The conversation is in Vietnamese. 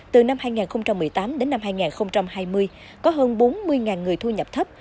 từ năm hai nghìn một mươi tám đến năm hai nghìn hai mươi có hơn bốn mươi người thu nhập thấp